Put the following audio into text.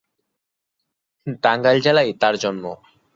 টাঙ্গাইল জেলায় তাঁর জন্ম।